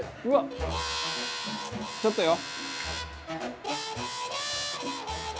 ちょっとよ。